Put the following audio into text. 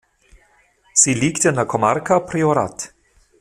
Sie liegt in der Comarca Priorat.